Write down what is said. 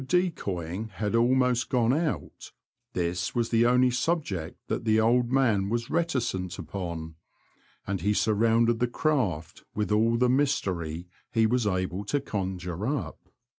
decoying had almost gone out, this was the only subject that the old man was reticent upon, and he surrounded the craft with all the mystery he was able to conjure up.